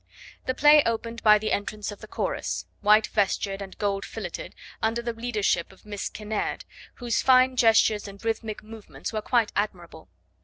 The play opened by the entrance of the chorus, white vestured and gold filleted, under the leadership of Miss Kinnaird, whose fine gestures and rhythmic movements were quite admirable.